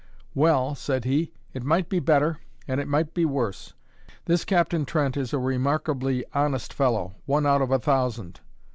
"Well," said he, "it might be better, and it might be worse. This Captain Trent is a remarkably honest fellow one out of a thousand.